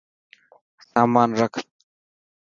سامان رک.